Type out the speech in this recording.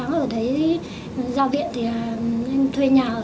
nó chỉ là đủ thôi chứ không thứ nhiều